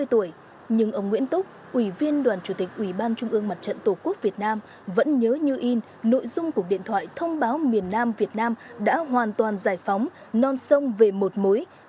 mặc dù năm nay đã gần chín mươi tuổi nhưng ông nguyễn túc ủy viên đoàn chủ tịch ủy ban trung ương mặt trận tổ quốc việt nam vẫn nhớ như in nội dung của điện thoại thông báo miền nam việt nam đã hoàn toàn giải phóng non sông về một mối